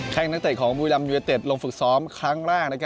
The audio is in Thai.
แค่งนักเตะของบุรีรัมยูเนเต็ดลงฝึกซ้อมครั้งแรก